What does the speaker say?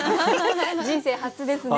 人生初ですね。